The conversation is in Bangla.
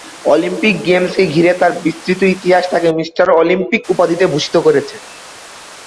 অলিম্পিক গেমসকে ঘিরে তাঁর বিস্তৃত ইতিহাস তাঁকে "মি. অলিম্পিক" উপাধিতে ভূষিত করেছে।